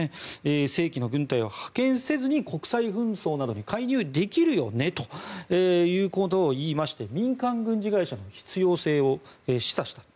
正規の軍隊を派遣せずに国際紛争などに介入できるよねということを言いまして民間軍事会社の必要性を示唆したと。